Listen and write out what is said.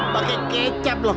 pakai kecap lah